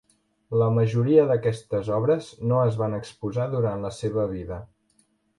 La majoria d'aquestes obres no es van exposar durant la seva vida.